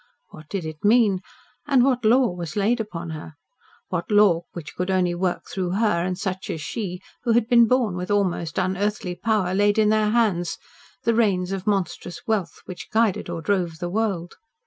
What did it mean? And what Law was laid upon her? What Law which could only work through her and such as she who had been born with almost unearthly power laid in their hands the reins of monstrous wealth, which guided or drove the world?